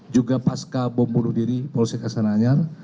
juga pasca bom bunuh diri di polsek astana anjar